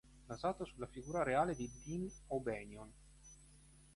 Basato sulla figura reale di Dean O'Banion.